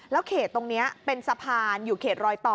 เขตตรงนี้เป็นสะพานอยู่เขตรอยต่อ